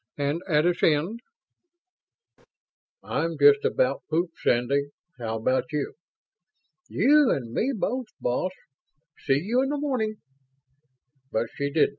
And at its end: "I'm just about pooped, Sandy. How about you?" "You and me both, boss. See you in the morning." But she didn't.